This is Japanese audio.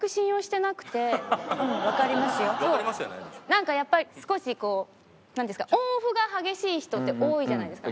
なんかやっぱり少しこうなんていうんですかオンオフが激しい人って多いじゃないですか。